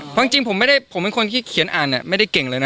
เพราะจริงผมเป็นคนนี่เขียนอ่านไม่ได้เก่งเลยนะ